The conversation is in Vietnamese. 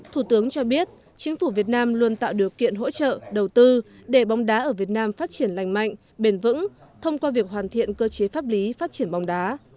thủ tướng cho biết chính phủ việt nam luôn tạo điều kiện hỗ trợ đầu tư để bóng đá ở việt nam phát triển lành mạnh bền vững thông qua việc hoàn thiện cơ chế pháp lý phát triển bóng đá